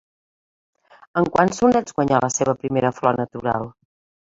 Amb quants sonets guanyà la seva primera Flor Natural?